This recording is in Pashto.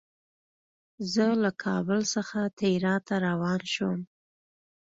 زه له کابل څخه تیراه ته روان شوم.